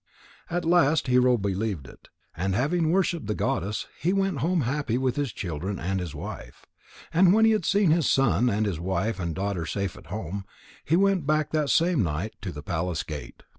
At last Hero believed it, and having worshipped the goddess, he went home happy with his children and his wife. And when he had seen his son and his wife and daughter safe at home, he went back that same night to the palace gate.